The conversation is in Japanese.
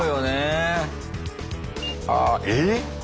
あえっ？